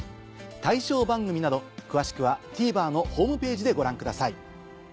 対象番組など詳しくはＴＶｅｒのホームページでご覧ください。